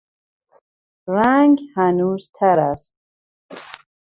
رنگ هنوز تر است.